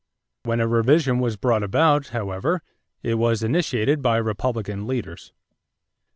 When a revision was brought about, however, it was initiated by Republican leaders.